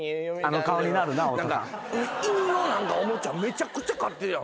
犬のおもちゃめちゃくちゃかってるやん。